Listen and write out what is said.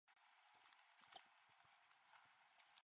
The funeral took place yesterday (Friday) at Golders Green.